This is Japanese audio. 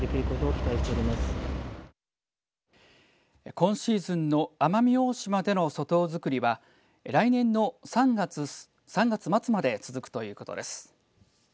今シーズンの奄美大島での粗糖作りは来年の３月末まで続くということです。